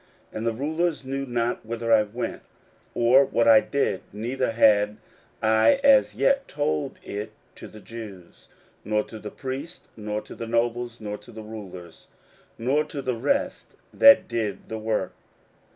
16:002:016 And the rulers knew not whither I went, or what I did; neither had I as yet told it to the Jews, nor to the priests, nor to the nobles, nor to the rulers, nor to the rest that did the work.